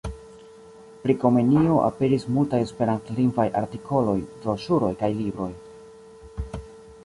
Pri Komenio aperis multaj esperantlingvaj artikoloj, broŝuroj kaj libroj.